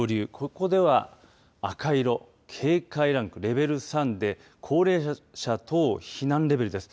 ここでは赤色警戒ランクレベル３で高齢者等避難レベルです。